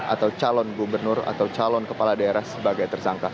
atau calon gubernur atau calon kepala daerah sebagai tersangka